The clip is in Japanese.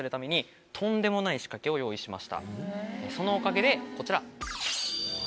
そのおかげでこちら。